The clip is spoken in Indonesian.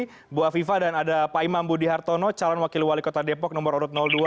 ibu afifah dan ada pak imam budi hartono calon wakil wali kota depok nomor urut dua